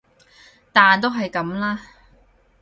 但都係噉啦